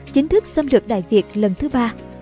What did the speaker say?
chính thức xâm lược đại việt lần thứ ba